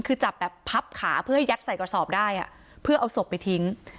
คือจับแบบพับขาเพื่อให้ยัดใส่กระสอบได้เพื่อเอาศพไปทิ้ง